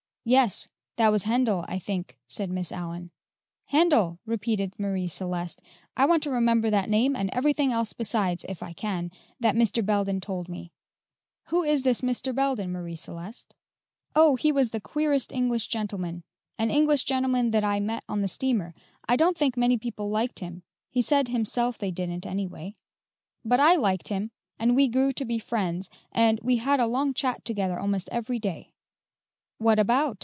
"Yes; that was Handel, I think," said Miss Allyn. "Handel!" repeated Marie Celeste; "I want to remember that name and everything else besides, if I can, that Mr. Belden told me." "Who was this Mr. Belden, Marie Celeste?" "Oh, he was the queerest English gentleman an English gentleman that I met on the steamer. I don't think many people liked him he said himself they didn't, anyway; but I liked him, and we grew to be great friends, and we had a long chat together almost every day." "What about?"